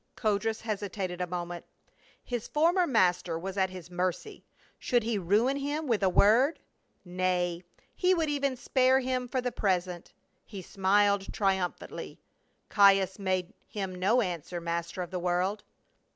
* Codrus hesitated a moment. His former master was at his mercy, should he ruin him with a word ? Nay, he would even spare him for the present. He smiled triumphantly. " Caius made him no answer, master of the world."